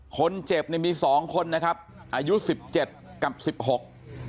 คนเจ็บเนี่ยมีสองคนนะครับอายุสิบเจ็ดกับสิบหก